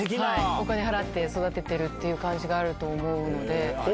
お金払って育ててるっていう感じがあると思うので。